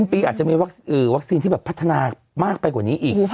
ปีอาจจะมีวัคซีนที่แบบพัฒนามากไปกว่านี้อีก